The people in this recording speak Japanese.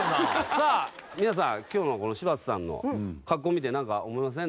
さあ皆さん今日のこの柴田さんの格好を見てなんか思いません？